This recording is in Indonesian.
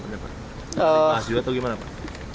dibahas juga itu gimana pak